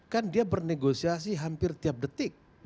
kan dia bernegosiasi hampir tiap detik